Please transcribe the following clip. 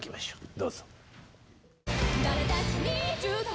どうぞ。